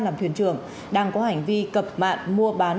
làm thuyền trưởng đang có hành vi cập mạng mua bán